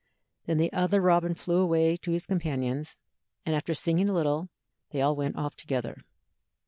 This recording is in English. Then the other robin flew away to his companions, and after singing a little, they all went off together.